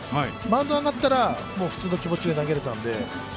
マウンド上がったら、もう普通の気持ちで投げれたんで。